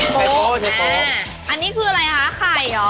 โอ้โหอันนี้คืออะไรคะไข่เหรอ